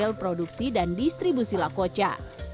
memantau detail produksi dan distribusi laku oca